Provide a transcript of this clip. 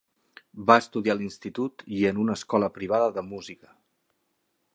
Va estudiar a l'institut i en una escola privada de música.